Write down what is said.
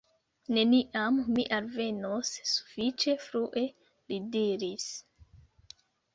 Neniam mi alvenos sufiĉe frue, li diris.